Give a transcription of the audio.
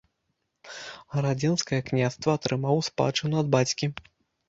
Гарадзенскае княства атрымаў у спадчыну ад бацькі.